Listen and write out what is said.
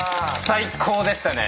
最高でしたね。